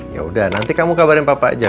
yaudah nanti kamu kabarin papa aja